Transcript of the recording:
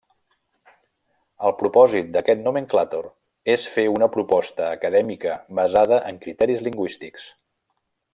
El propòsit d'aquest nomenclàtor és fer una proposta acadèmica basada en criteris lingüístics.